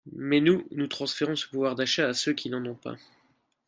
Mais nous, nous transférons ce pouvoir d’achat à ceux qui n’en ont pas.